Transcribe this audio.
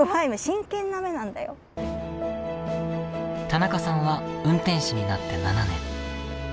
田中さんは運転士になって７年。